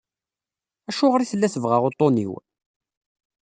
Acuɣer i tella tebɣa uṭṭun-iw?